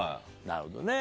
なるほどね。